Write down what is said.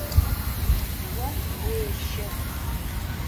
О уещэ.